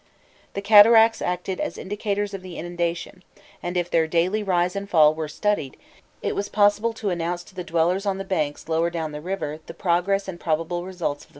The cataracts acted as indicators of the inundation, and if their daily rise and fall were studied, it was possible to announce to the dwellers on the banks lower down the river the progress and probable results of the flood.